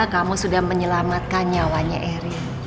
kamu sudah menyelamatkan nyawanya eri